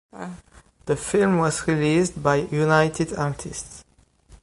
The film was released by United Artists.